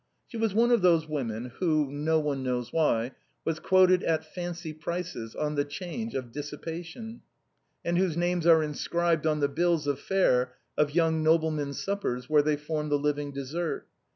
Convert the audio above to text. She was one of those women who, no one knows why, are quoted at fancy prices on the 'Change of dissipa tion, and whose names are inscribed on the bills of fare of young noblemen's suppers, where they form the living des sert.